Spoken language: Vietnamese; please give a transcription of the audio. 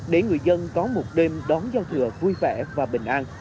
để người dân có một đêm đón giao thừa vui vẻ và bình an